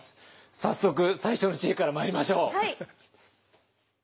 早速最初の知恵からまいりましょう！